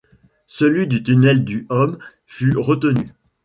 Celui du tunnel du Hom fut retenu.